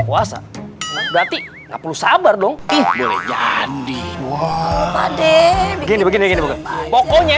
puasa berarti nggak perlu sabar dong ih boleh jadi wah gini gini pokoknya